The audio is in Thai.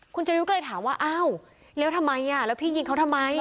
คุณเจริวก็เลยถามว่าอ้าวแล้วทำไมแล้วพี่ยิงเขาทำไม